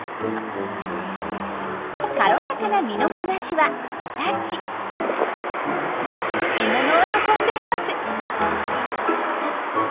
軽やかな身のこなしは獲物を運んでいます。